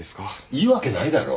いいわけないだろ！